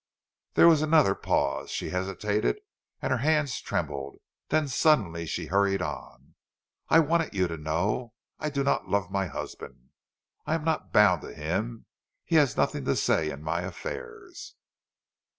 There was another pause. She hesitated, and her hands trembled; then suddenly she hurried on.—"I wanted you to know. I do not love my husband. I am not bound to him. He has nothing to say in my affairs."